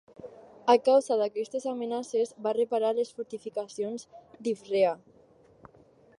A causa d'aquestes amenaces va reparar les fortificacions d'Ivrea.